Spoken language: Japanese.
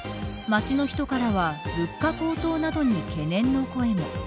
街の人からは物価高騰などに懸念の声も。